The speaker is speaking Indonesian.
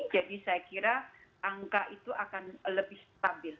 jadi saya kira angka itu akan lebih stabil